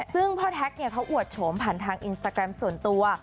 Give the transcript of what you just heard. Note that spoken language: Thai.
ซึ่งพ่อแท็กเขาอวดโฉมผ่านทางอินสตาแกรมส่วนตัว